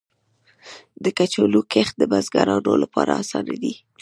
د کچالو کښت د بزګرانو لپاره اسانه دی.